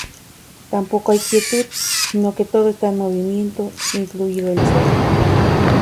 Tampoco hay quietud, sino que todo está en movimiento, incluido el Sol.